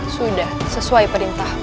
sudah sesuai perintahmu